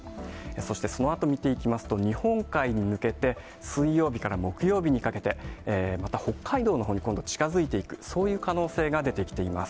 そして、そのあと見ていきますと、日本海に抜けて、水曜日から木曜日にかけて、また、北海道のほうに今度、近づいていく、そういう可能性が出てきています。